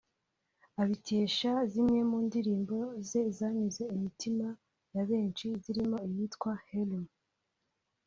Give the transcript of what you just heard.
abikesha zimwe mu ndirimbo ze zanyuze imitima ya benshi zirimo iyitwa “Hello”